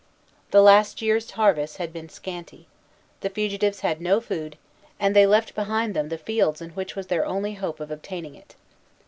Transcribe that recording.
The last year's harvest had been scanty; the fugitives had no food, and they left behind them the fields in which was their only hope of obtaining it.